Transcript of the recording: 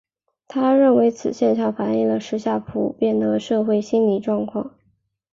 他认为此现象反映了时下普遍的社会心理状态。